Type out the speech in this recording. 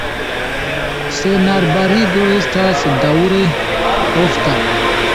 Senarbarigo estas daŭre ofta.